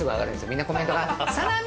みんなコメントが「サナミ！」